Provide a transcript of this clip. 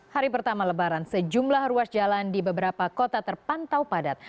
hari pertama lebaran sejumlah ruas jalan di beberapa kota terpantau padat